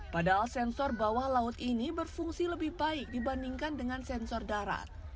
padahal sensor bawah laut ini berfungsi lebih baik dibandingkan dengan sensor darat